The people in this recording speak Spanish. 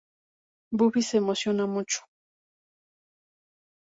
Buffy se emociona mucho.